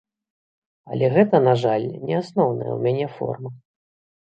Але гэта, на жаль, не асноўная ў мяне форма.